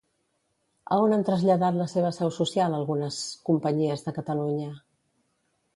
A on han traslladat la seva seu social algunes companyies de Catalunya?